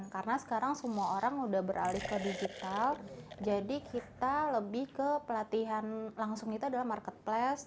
karena sekarang semua orang sudah beralih ke digital jadi kita lebih ke pelatihan langsung itu adalah marketplace